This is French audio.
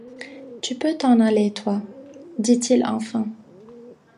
Tu peux t’en aller, toi, dit-il enfin.